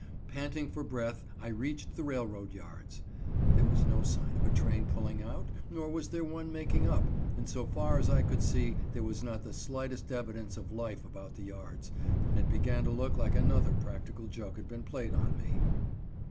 Panting for breath I reached the railroad yards. There was no sign of a train pulling out, nor was there one making up, and so far as I could see there was not the slightest evidence of life about the yards, and it began to look like another practical joke had been played on me.